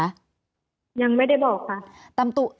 ยังไม่ได้บอกค่ะ